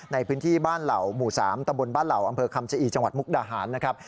ในพื้นที่บ้านเหล่าหมู่๓ตะบนบ้านเหล่าอำเภอคำชะอีจังหวัดมุกดาหารนะครับ